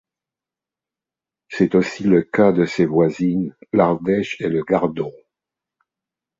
C'est aussi le cas de ses voisines l'Ardèche et le Gardon.